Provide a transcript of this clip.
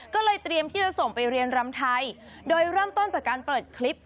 ก็เลยเตรียมที่จะส่งไปเรียนรำไทยโดยเริ่มต้นจากการเปิดคลิป